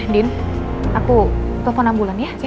din aku telepon ambulans ya